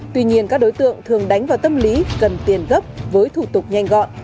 tuy nhiên các đối tượng thường đánh vào tâm lý cần tiền gấp với thủ tục nhanh gọn